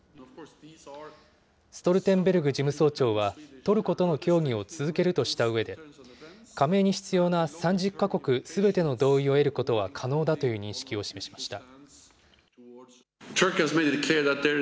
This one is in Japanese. ストルテンベルグ事務総長は、トルコとの協議を続けるとしたうえで、加盟に必要な３０か国すべての同意を得ることは可能だという認識を示しました。